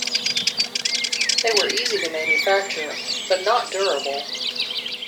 They were easy to manufacture, but not durable.